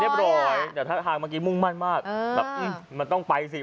เรียบร้อยแต่ท่าทางเมื่อกี้มุ่งมั่นมากแบบมันต้องไปสิ